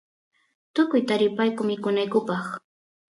tukuy taripayku mikunaykupaq